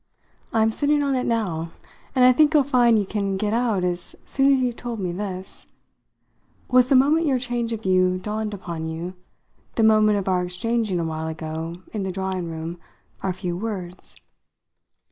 I'm sitting on it now; and I think you'll find you can get out as soon as you've told me this. Was the moment your change of view dawned upon you the moment of our exchanging a while ago, in the drawing room, our few words?"